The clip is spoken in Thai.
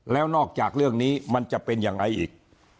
แล้วนอกจากเรื่องนี้มันจะเป็นยังไงอีก